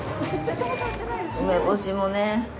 梅干しもね。